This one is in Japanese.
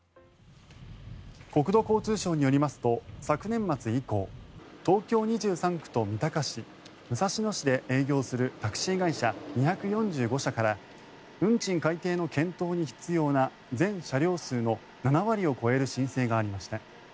国土交通省によりますと昨年末以降東京２３区と三鷹市、武蔵野市で営業するタクシー会社２４５社から運賃改定の検討に必要な全車両数の７割を超える申請がありました。